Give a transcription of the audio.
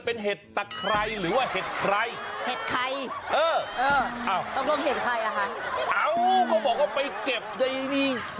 เป็นเหตลักษณะใครหรือว่าเหตุใคร